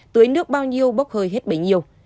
tưới nước bao nhiêu bốc hơi hết bấy nhiêu